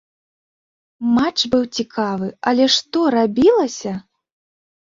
Матч быў цікавы, але што рабілася!